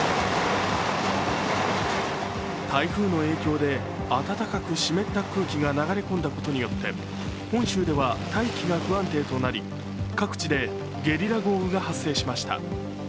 台風の影響で暖かく湿った空気が流れ込んだ影響で本州では大気が不安定となり各地でゲリラ豪雨が発生しました。